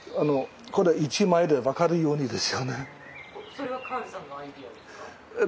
それはカールさんのアイデアですか？